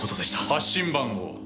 発信番号は？